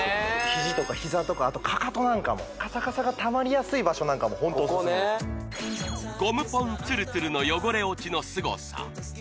ひじとかひざとかあとかかとなんかもカサカサがたまりやすい場所なんかもホントおすすめですの汚れ落ちのすごさ